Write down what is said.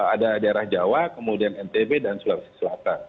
ada daerah jawa kemudian ntb dan sulawesi selatan